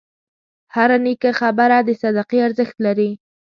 هره نیکه خبره د صدقې ارزښت لري.